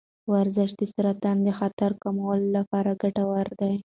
ورزش د سرطان د خطر کمولو لپاره ګټور دی.